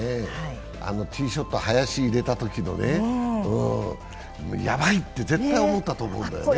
あのティーショット、林に入れたときのやばいって絶対思ったと思うんだよね。